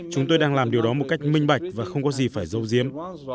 chúng tôi đang làm điều đó một cách minh bạch và không có gì phải dấu diếm